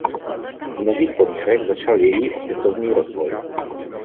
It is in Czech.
V nových poměrech začal její opětovný rozvoj.